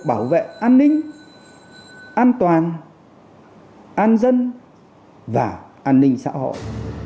an ninh an toàn an dân và an ninh xã hội